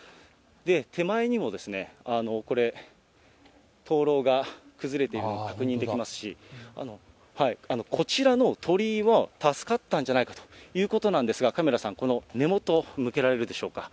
手前にもこれ、灯ろうが崩れているのが確認できますし、こちらの鳥居は助かったんじゃないかということなんですが、カメラさん、この根元、向けられるでしょうか。